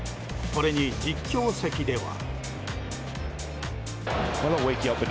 これに実況席では。